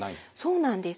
そうなんです。